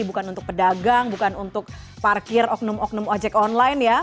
bukan untuk pedagang bukan untuk parkir oknum oknum ojek online ya